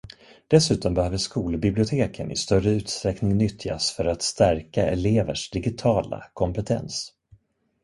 Dessutom behöver skolbiblioteken i större utsträckning nyttjas för att stärka elevers digitala kompetens.